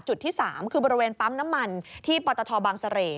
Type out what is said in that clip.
จุดที่๓คือบริเวณปั๊มน้ำมันที่ปตทบางเสร่